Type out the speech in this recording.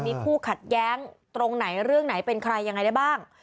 มีคู่ขัดแย้งตรงไหนเรื่องไหนเป็นใครยังไงได้บ้าง